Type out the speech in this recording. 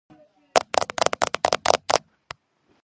განათლება მიიღო ვიოლინოს და ქანდაკების სფეროებში.